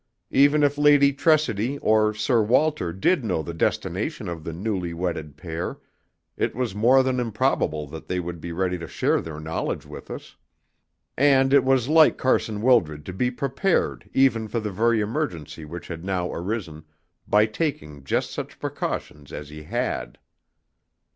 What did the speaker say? Even if Lady Tressidy or Sir Walter did know the destination of the newly wedded pair, it was more than improbable that they would be ready to share their knowledge with us. And it was like Carson Wildred to be prepared even for the very emergency which had now arisen, by taking just such precautions as he had.